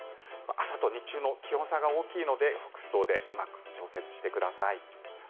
朝と日中の気温差が大きいので服装でうまく調節してください。